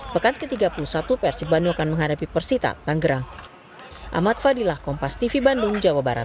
pekan ke tiga puluh satu persib bandung akan menghadapi persita tanggerang